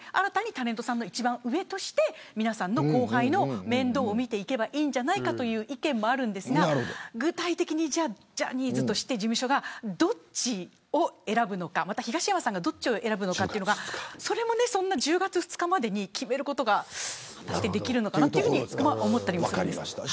タレントさんの一番上として後輩の面倒を見ていけばいいんじゃないかという意見もあるんですが具体的にジャニーズとして事務所がどっちを選ぶのかまた、東山さんがどっちを選ぶのかというのが１０月２日までに決めることが果たして、できるのかと思ったりもしました。